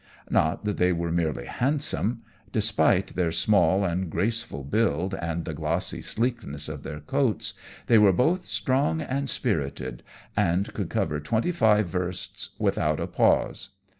Not that they were merely handsome; despite their small and graceful build, and the glossy sleekness of their coats, they were both strong and spirited, and could cover twenty five versts without a pause.